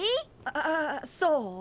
ああそう？